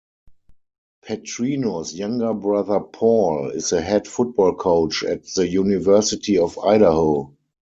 Petrino's younger brother Paul is the head football coach at the University of Idaho.